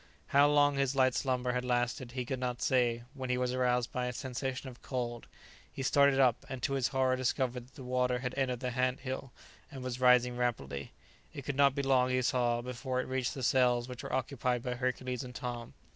How long his light slumber had lasted he could not say, when he was aroused by a sensation of cold. He started up, and to his horror discovered that the water had entered the ant hill and was rising rapidly; it could not be long, he saw, before it reached the cells which were occupied by Hercules and Tom.